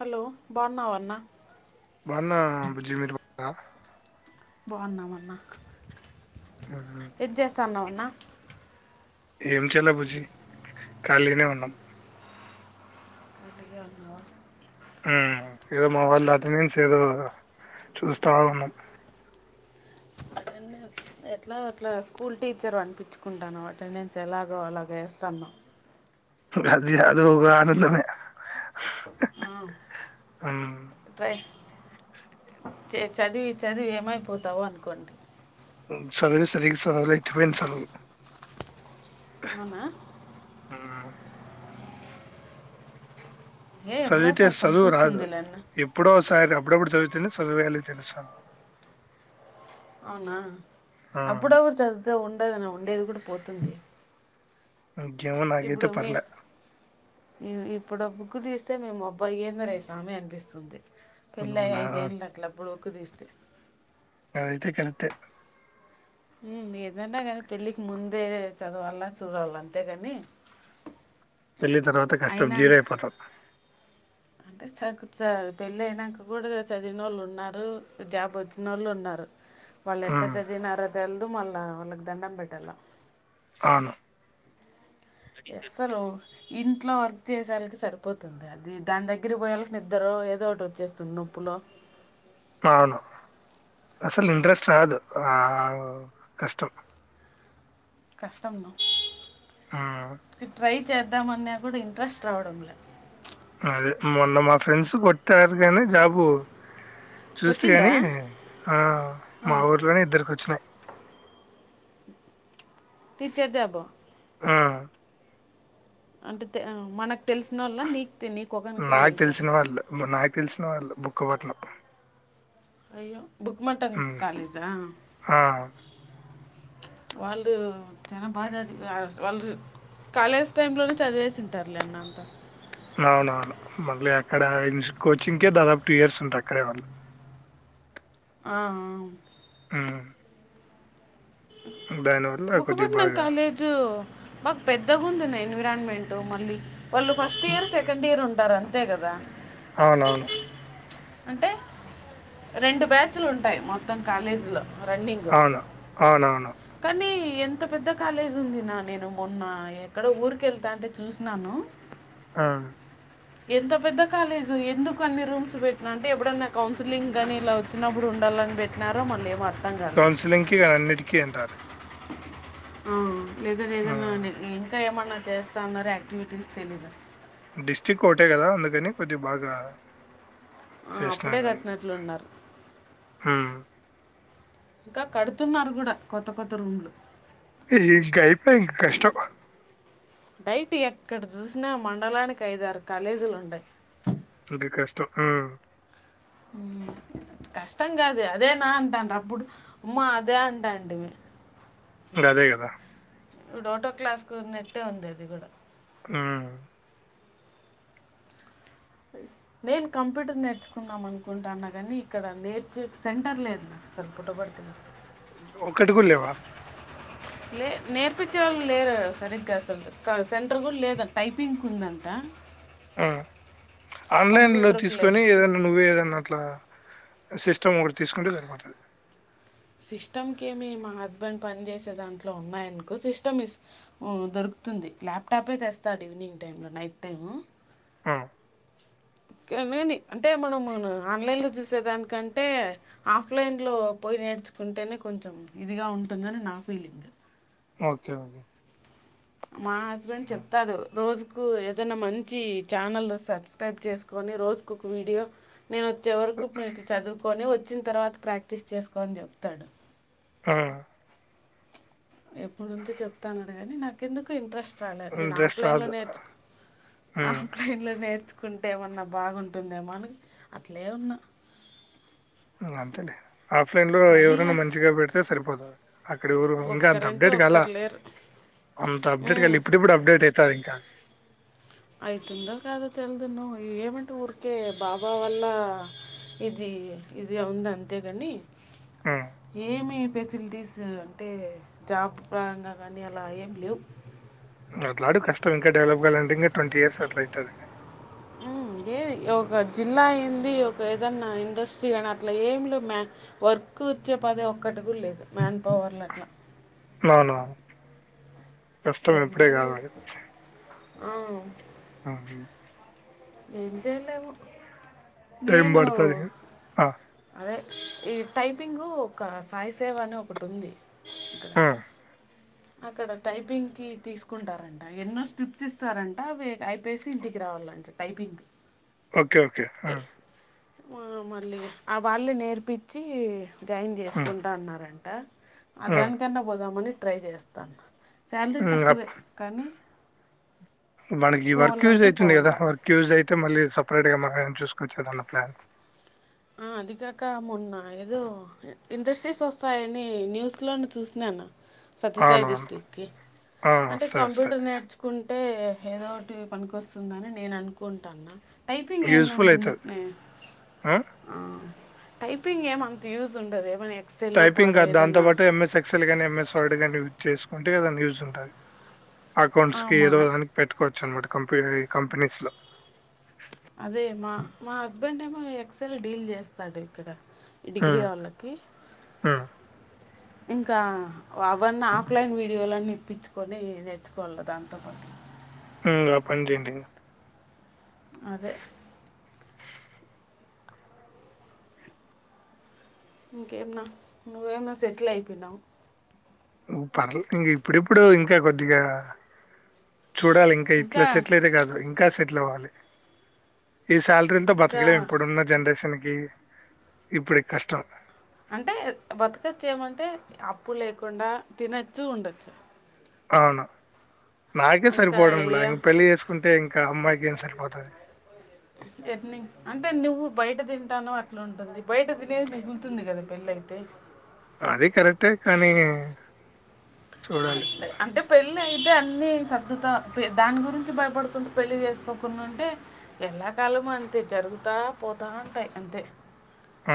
Hello బాగున్నావన్న బన్నా బుజి మీరు బావున్నా అన్న ఉమ్. ఏం చేస్తాన్నా అన్న ఏం చేల బుజి ఖాళీనే ఉన్నాం కలిగే ఉన్నవ ఉమ్ ఏదో మా వాళ్ళు అటి నుంచి ఏదో చూస్తా ఉన్నాం అటెండెన్స్ ఎట్లా అట్లా స్కూల్ టీచర్ అనిపించుకుంటాను అటెండెన్స్ ఎలాగో అలాగ వేస్తాను గధ అదగా ఆనందమ ఆ అ టై చదివి చదివి ఏమైపోతావో అనుకోండి చదువి సరి చలవులు అయితుపోయింది చలవు అవునా ఏ చదివితే ఎప్పుడోసారి చదువు రాదు పనికొస్తుంది లేన్న ఎప్పుడోసారి అప్పుడప్పుడు చదువు సదువేల తెలుసా అవునా అప్పుడప్పుడు చదివుతే ఉండద ఉండేది కూడా పోతుంది ముకేమో నాగేతే ఇప్పుడు మీ పర్లే ఇ- ఇప్పుడు బుక్కు తీస్తే మేము అబ్బాై ఏందరేయా సామీ అనిపిస్తుంది పెళ్లి ఇప్పుడు అయి నా ఐదేంలక్లప్పుడు [unintelligible] తీస్తే అ అయితే కరెక్ట్ ఎ ఏదన్నా కాని పెళ్ళికి ముందే చదవాలా చూడాలా అంతే కాని పెళ్ళిన తర్వాత కష్టం జీరో అయిపోతాం అంటే చదువు చ పెళ్ళి అయినాక కూడా చదివిన ఒళ్ళు ఉన్నారు జాబ్ వచ్చిన ఒళ్ళు ఉన్నారు వాళ్ళు ఎట్లా ఉమ్, చదివినారో తెల్దు మళ్ళా వాళ్ళకి దండం పెట్టాల అవును ఎ సలు ఇంట్లో వర్క్ చేసేళ్కి సరిపోతుంది అది దాని దగ్గర పోయేళ్కి నిద్ద్ర ఏదో ఒకటి వచ్చేస్తుంది నొప్పులో అవును అసలు ఇంట్రెస్ట్ రాదు ఆ కష్టం కష్టంను ఉమ్ చేద్దామన్నా కూడా ఇంట్రెస్ట్ రావడంలే అదే మొన్న మా ఫ్రెండ్స్ కొట్టారు కానీ జాబు చూస్తే వచ్చిందా కాని ఆ మా ఊర్లోనే ఇద్దరికీ వచ్చినాయి టీచర్ జాబ్ ఆ అంటే తే మనకు తెలిసిన వాళ్ళ నీకు నీ ఒకకరికే నాకు తెలుసా తెలిసిన వాళ్ళు. నాకు తెలిసిన వాళ్ళు బుక్ వాటలో అయ్యో బుక్ మటం కాలేజా ఆ! వాళ్ళు చాలా బాగా చది వాళ్ళు కాలేజ్ టైంలోనే చదివేసింటారు లేన్న అంతా అవునవును మళ్ళీ అక్కడ కోచింగ్కే దాదాపు టూ ఇయర్స్ ఉంట అక్కడే వాళ్ళు ఆ ఉ దానివల్ల కొద్దిగా బాగా మాకు పెద్దగా ఉందిన్న ఎన్విరాన్మెంట్ మళ్ళీ వాళ్ళు ఫస్ట్ హ్మ్. ఇయర్ సెకండ్ ఇయర్ ఉంటారని అంతే గాద అవునవును. అంటే రెండు బ్యాచ్ లు ఉంటాయి మొత్తం కాలేజీలో. రన్నింగ్ అవును. అవునవును నీ ఎంత పెద్ద కాలేజ్ ఉంది న్నా నేను మొన్న ఎక్కడో ఊరికెళ్తాంటే చూసినాను. ఆ ఎంత పెద్ద కాలేజు ఎందుకు అన్ని రూమ్స్ పెట్టినా అంటే ఎప్పుడైన్నా కౌన్సిలింగ్ గానీ ఇలా వచ్చినప్పుడు ఉండాలని పెట్టినారో మళ్ళీ ఏమో అర్ కౌన్సిలింగ్ కి ఇగ అన్నిటిక్ కీ అంట అది ఉమ్ లేదు లేదన్నా హ్మ్. అండి ఇంకా ఏమన్ మరి చేస్తా ఉన్నారు యాక్టివిటీస్ తెలీదు. డిస్ట్రిక్ కోటే కదా అందుకని కొద్దిగ బాగా ఆ అప్పుడే చేసినారు దాన్ని. కట్టినట్లు ఉన్నారు. హ్మ్. ఇంకా కడుతున్నారు కూడా కొత్త కొత్త రూమ్ లు ఇయ్యింక అయిపోయ్ ఇంక కష్టం. నైట్ ఎక్కడ చూసినా మండలానికి ఐదారు కాలేజీ లుండై. కొద్ది కష్టం ఆ ఊమ్ కష్టం కాదు అదేనా అంటాండ అప్పుడు ఉమా అదే అంటాంటిమి. మరి అదే గదా ఇప్పుడు ఒకటో క్లాస్కు ఉన్నట్టే ఉంది అది గూడా ఊమ్ నేను కంప్యూటర్ నేర్చుకుందాం అనుకుంటాన్నా గానీ ఇక్కడ నేర్చు సెంటర్ లేదు అసలు పుట్టపర్తి లో ఒకటి కూడా లేవా? లే నేర్పించే వాళ్ళు లేరు సరిగ్గా అసలు కా సెంటర్ కూడా లేదు టైపింగ్ కుందంటా ఆ ఆన్లైన్ లో కంప్యూటర్కి లేదు తీసుకొని ఏదన్నా నువ్వే ఏదన్నా అట్లా సిస్టమ్ ఒకటి తీసుకుంటే సరిపోతది. సిస్టమ్కి ఏమి మా హస్బెండ్ పని చేసే దాంట్లో ఉన్నాయనుకో సిస్టమ్ ఇస్ ఊమ్ దొరుకుతుంది. ల్యాప్టాపే తెస్తాడు ఈవినింగ్ టైంలో నైట్ టైము ఆ! [unintelligible] అంటే మనము ఆన్లైన్లో చూసేదానికంటే ఆఫ్లైన్లో పోయి నేర్చుకుంటేనే కొంచెం ఇదిగా ఉంటుందని నా ఫీలింగ్ ఓకే ఓకే మా హస్బెండ్ చెప్తాడు రోజు కు ఏదైనా మంచి ఛానల్ సబ్స్క్రైబ్ చేసుకొని, రోజుకోక వీడియో నేనొచ్చే వరకు మీరిక చదువుకొని వ వచ్చిన తర్వాత ప్రాక్టీస్ చేసుకో అని చెప్తాడు. ఆ ఎప్పుడు నుంచో చెప్తాన్నాడు గాని నాకెందుకో ఇంట్రెస్ట్ ట్ రాలే నేను ఇంట్రెస్ట్ ఆఫ్లైన్లో రాదు. నేర్చుక్ హ్మ్. ఆఫ్లైన్లో నేర్చు కుంటే ఏమన్నా బాగుంటుందేమో అని అట్లే ఉన్నా ఊ అంతేలే. ఆఫ్లైన్ లో అదిగా ఎవరైనా మంచిగా పెడితే సరిపోతారు అక్కడ ఎవరు ఇంగ అంత ఒక్కరంటే అప్డేట్ గాలా ఒక్కరు లేరు అంత అప్డేట్ ఉమ్. గాల్ ఇప్పుడిప్పుడు అప్డేట్ అయ్ తారింకా అయితుందో కాదో తెలిదు. న్ ఏమంటే ఊరికే బాబా వల్ల ఇది ఇది వుంది అంతేగాని హ్మ్. ఏమి ఫెసిలిటీస్ అంటే జాబ్ ప్రరంగా కానీ అలా ఏం లేవు. అట్లాడు కష్టం ఇంకా డెవలప్ కాయాలంటే ఇంకా ట్వంటీ ఇయర్స్ అట్ల అవుతుంది. ఉమ్ ఏ ఒక జిల్లా అయింది. ఒక ఏదన్నా ఇండస్ట్రీ కానీ అట్లా ఏం లేదు. మ్య వర్క్ వచ్చే పదే ఒక్కటికు లేదు మ్యా పవర్లెట్లా అవునవును. కష్టం ఇపుడే కావాలి. ఆ ఆ ఏం చేయలేం టైమ్ పడతది ఆ అదే ఈ టైపింగ్ ఒక సాయిసేవ అని ఒకటి ఉంది. ఇక్కడ ఆ! అక్కడ టైపింగ్కి తీసుకుంటారంట. ఎన్నో స్క్రిప్ట్స్ ఇస్తారంట అ అయిపేసి ఇంటికి రావాలంట టైపింగ్కి ఓకే ఓకే అ ఆ మళ్ళీ ఆ వాళ్లే నేర్పించి. జాయిన్ హ్మ్. చేసుకుంటా అన్నారూ ఆ ఆ హ్మ్. దానికన్నా పోదామని ట్రై చేస్తే తన శాలరీ హ్మ్. తక్కువే అప్ కానీ, మనకి వర్క్ యూజ్ పోవాలంటే అయితుంది. కదా పోవాలా వర్క్ యూజ్ అయితే మళ్ళ సపరేట్ గా మన ఆ చూసుకొచ్చదన్న ప్లాన్స్. ఆ అదిగాక మొన్న ఏదో ఇండస్ట్రీస్ వస్తాయని న్యూస్ లో చూసినాను. సత్యసాయి అవునవును. డిస్టిక్ కి ఆ! అంటే వస్తాయి. వస్తాయి. కంప్యూటర్ నేర్చుకుంటే అంటే ఏదోటి పనికొస్తుందని నేను అనుకుంటన. టైపింగ్ ఏందు యూజ్‌ఫుల్ ఉంటుంది అయితది. ఇట్నె ఆ టైపింగ్ ఏమ అంత యూజ్ ఉండదు. ఏమ టైపింగ్ కాదు దాంతోపాటు ఎంఎస్ ఎక్సెల్ కానీ ఎంఎస్ వర్డ్ గాని, చేసుకుంటే ఏదన్నా యూస్ ఉంటది. ఆ, అకౌంట్స్ కి మా ఏదో దానికి పెట్టుకోవచ్చు. అన్నమాట కంపెనీ కంపెనీస్ లో అదే మా మా హస్బెండ్ ఏమో ఎక్సెల్ డీల్ చేస్తాడు. ఇక్కడ డిగ్రీ హ్మ్. వాళ్ళకి హ్మ్. ఇంకా వ అవన్నీ ఆఫ్లైన్ వీడియోలన్ని ఇప్పిచ్చుకొనీ నేర్చుకోవాలి దాంతోపాటు హూ ఆ పని చేయండి అదే ఇంకేం న నువ్వేమొ సెటిల్ అయిపోయినావు ఉ పర్ల్ ఇప్పుడిప్పుడు ఇంకా కొద్దిగా చూడాలింకా ఇట్లా ఇంకా సెటిల్ అయితే కాదు ఇంకా సెట్ ట్లోవాలి ఈ సాలరీల్తో ఇంకా బతకలేం ఇప్పుడున్న జనరేషన్ గి ఇప్పుడీ కష్టం అంటే బతకొచ్చు ఏమంటే అప్పు లేకుండా తినచ్చు ఉండొచ్చు అవును నాకే ఇంకా సరిపోవడంలా ఏం ఇ పెళ్లి చేసుకుంటే ఇంకా అమ్మాయికి ఏం సరిపోతాది ఎర్నింగ్స్ అంటే నువ్వు బయట తింటాన్నవ్ అట్లా ఉంటుంది బయట తినేది మిగులుతుంది గదా పెళ్ళి అయితే అదీ కరెక్టే కానీ చూడాలి అంటే పెళ్ళి అంటే అన్నీ సర్దుతా పె దాని గురించి భయపడుకుంటూ పెళ్ళి చేసుకోకుండా ఉంటే ఎల్లా కాలము అంతే జరుగుతా పోతా ఉంటాయి అంతే ఆ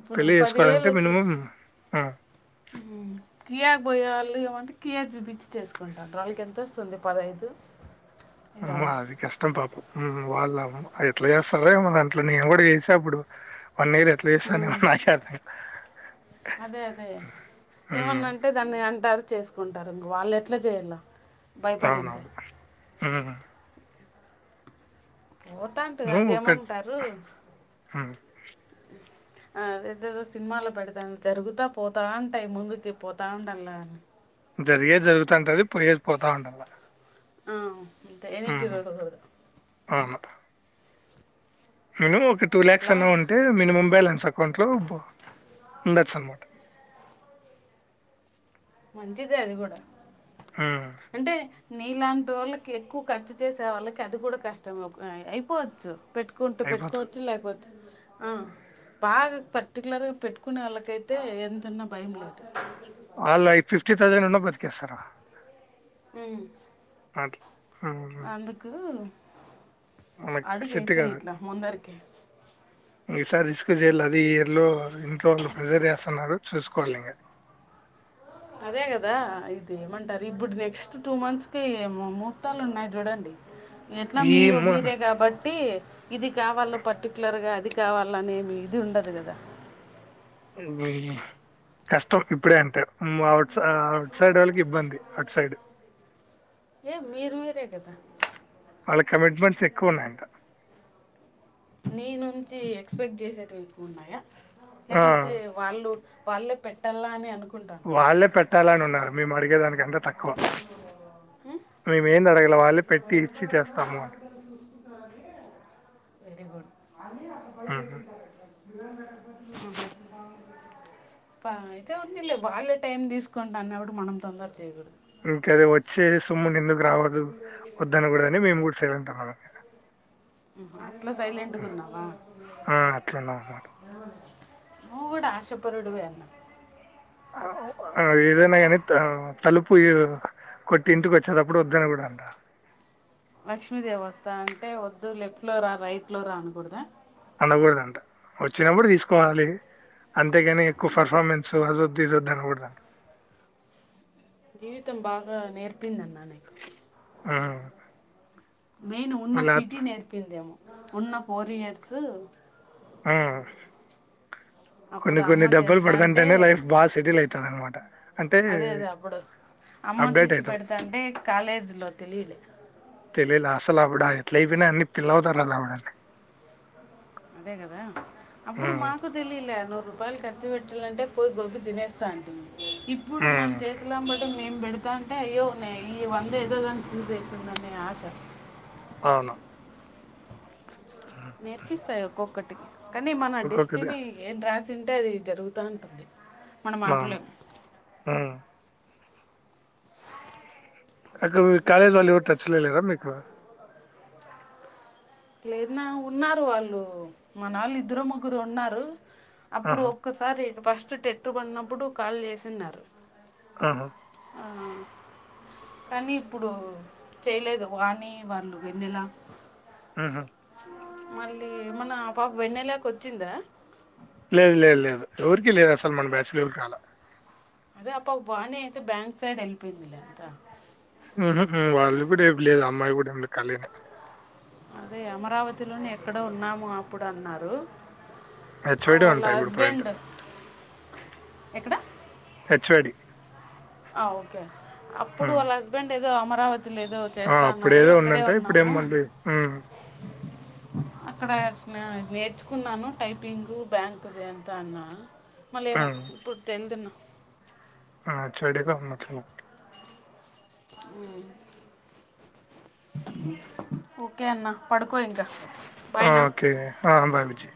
ఇప్పుడు పెళ్లి పదివేలు చేసుకోవాలంటే వచ్చి మినిమం అ కియాగ్ బోయె వాళ్ళు ఏవంటి కియా చూపించి చేసుకుంటాన్రు వాళ్ళకి ఎంతొస్తుంది పదైదు అమ్మా అది కష్టం పాప హూమ్ వాళ్ళ అమ్మ అది ఎట్లా చేస్తారో ఏమో దాంట్లో నేను గూడా చేసా అప్పుడు వన్ ఇయర్ ఎట్లా చేశానో ఏమో నాకేం అర్థం అదే అదే హుమ్ ఏమన్నా అంటే దాన్ని అంటారు చేసుకుంటారు ఇంగ వాళ్ళు ఎట్లా చేయల్లా అవునవును హుమ్ పోతాంటు నువ్వు అది ఒక ఏమంటారూ హ్మ్. ఆ అదేదో సినిమాలో పెడతా జరుగుతా పోతా ఉంటాయి ముందుకి పోతా ఉండాల్లా అని జరిగేది జరుగుతా ఉంటది పోయేది పోతా ఉండాల ఆ అంతే వెనక్కి ఉహు చూడకూడదు అవును నేనూ ఒక టూ ల్యాక్స్ అట్లా అన్నావంటే మినిమం బ్యాలెన్స్ అకౌంట్ లో బా ఉండొచ్చు అనమాట మంచిదే అది గూడా హ్మ్. అంటే నీలాంటోళ్ళకి ఎక్కువ ఖర్చు చేసే వాళ్ళకి అది కూడా కష్టం ఉగ్ అయ్ అయిపోవచ్చు పెట్టుకుంటూ అయిపోతది. పెట్టుకోవచ్చు లేకపోతే అ బాగా పర్టిక్యులర్గా పెట్టుకునోళ్ళకైతే ఏం తిన్నా భయం లేదు ఆల్ ఐఫిల్ ఎట్లగయిన నన్ను బతికేస్తారా మ్ ఉమ్. అందుకూ మనకి సెట్ అడిగేసేఇట్లా ముందరికి ఇంకసారి రిస్క్ చేయలే అది ఇయర్లో ఇంట్లో వాళ్ళు ప్రిజర్ చేస్తున్నారు చూసుకోవాలి ఇంకా అదే కదా ఇది ఏమంటారు ఇప్పుడు నెక్స్ట్ టూ మంత్స్ కే ము-ముహూర్తాలు ఉన్నాయి చూడండి ఎట్లా ఈ మీరు ము- మీరే కాబట్టి ఇది కావాల పర్టిక్యులర్ గా అది కావాలనేమి ఇది ఉండదు కదా అమ్మ నీ కష్టం ఇప్పుడే అంటే మ్ ఔట్ స ఆఔట్ సైడోళ్ళకి ఇబ్బంది అట్ సైడ్ ఏ మీరు మీరే కదా వాళ్ళ కమిట్మెంట్స్ ఎక్కువున్నాయంట నీ నుంచి ఎక్స్పెక్ట్ చేసేటటివి ఎక్కువున్నాయా ఆ, లేపోతే వాళ్ళు వాళ్ళే పెట్టాలా అని అనుకు వాళ్ళే పెట్టాలని ఉన్నారు మీ మడిగేదనికి కంట తక్కువ ను మేందడగా ఇట్లో భయంతోనైనా హపిటల్ చూసుకుంట వెరీ గుడ్ అని అక్కడ ఉమ్. పెట్టిరు అయితే ఉందిలే వాళ్ళే టైం తీసుకుం అన్నప్పుడు మనం తొందర చేయకూడదు ఇంక అది వచ్చే సుమ్ము క ఎందుకు గ రావదు వద్దాని కూడా అని మేము కూడా సైలెంట్ ఉన్నాము [inaudible] అట్లా సైలెంట్గా ఉన్నావా ఆ, అట్లున్నాము నువ్వు కూడా ఆశపరిడువేన్నా ఏదైనా కానీ తలుపు కొట్టి ఇంటికి వచ్చేటప్పుడు వద్దనకూడాదంటా లక్ష్మీదేవ వస్తా అంటే వద్దు లెఫ్ట్ ఫ లోలోరా రైట్ ఫ్లో రా అనకూడదా అనకూడదంట వచ్చినప్పుడు తీసుకోవాలి అంతేగాని ఎక్కువ పర్ఫార్మెన్స్ అ అదుద్దు ఇదొద్దు అనకూడదు జీవితం బాగా నేర్పింది అన్న నీకు ఆ మెయిన్ ఉన్న సిటీ నేర్పిందేమో ఉన్న ఫోర్ ఇయర్సు ఆ కొన్ని అప్పుడు కొన్ని అమ్మ దేబలు చేస్తా అంటే పడదంటేనే లైఫ్ బాగా సెటిల్ అవుతది అనమాట అంటే అదే అదే అప్పుడు అమ్మ అప్డేట్ తెచ్చి అవుతాం పెడతా అంటే కాలేజీలో తెలియలే తెలియలే అసలు అప్పుడా ఎట్లా అయిపోయినా అన్ని పిల్ల అవుతారులా అదే కదా అప్పుడు మాకు తెలిలే నూరు రూపాయలు ఖర్చు పెట్టాలంటే పోయి గోబీ తినేస్తా అంట ఇప్పుడు మన ఉమ్, చేతులాబట్ మేం పెడతా అంటే అయ్యో న ఈ వంద ఏదోదానికి చూస అవుతుందని ఆశ అవును నేర్పిస్తాయి ఒక్కొక్క కానీ మన ఇంకొక ది- డిస్టిని ఏం రాసింది అంటే అది జరుగుతూ ఉంటుంది మనం అవును ఆపలేము ఆ అక్కడ కాలేజ్ వాళ్ళు ఎవరు టచ్చలోలేరా మీకు లేదన్నా ఉన్నారు వాళ్ళు మన వాళ్ళు ఇద్దరు ముగ్గురు ఉన్నారు అప్పుడు ఆహా, ఒక్కసారి ఫస్ట్ ఫస్ట్ టెట్టుబడినప్పుడు కాల్ చేసిన్నారు ఆహా ఆ కానీ ఇప్పుడు చేయలేదు వాణి వాళ్ళు వెన్నెలా ఊహు మళ్ళీ మన్నా పాప వెన్నేలాక వచ్చిందా లేదు లేదు లేదు ఎవరికీ లేదు అసల్మాన్ బ్యాచలుకిన్నాాల అదే అప్ప బాని అయితే బ్యాంక్ సైడ్ హెల్ప్ ఎంతా ఊహు వాళ్ళు కూడా ఇ లేదు అమ్మాయి కూడా ఏ కళిన అదే అమరావతిలోని ఎక్కడ ఉన్నాము అప్పుడు అన్న ఆ హెచ్‌వై‌డే వాళ్ళ అంట ఇప్పుడు ప్రజెంట్. హస్బెండ్ ఎక్కడ హెచ్డి ఆ ఓకే అప్పుడు వాళ్ళ హస్బెండ్ అమరావతి ఆ అప్పుదు ఏదో ఉండంటే ఇప్పుడేమ్మండి అక్కడ నేర్చుకున్నాను టైపింగ్ బ్యాంకుది ఎంత అన్నా మళ్ళ ఏమో హ్మ్. ఇప్పుడు తెలిదున్నా ఆ చడేగా మ ఉ ఒకే ఆన్నా ఓకే భాబజీ